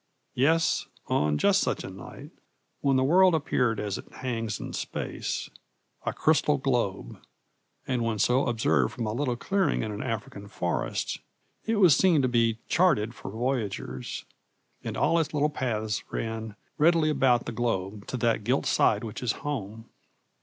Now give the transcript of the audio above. Yes, on just such a night, when the world appeared as it hangs in space, a crystal globe, and when so observed from a little clearing in an African forest, it was seen to be charted for voyagers, and all its little paths ran readily about the globe to that gilt side which is home.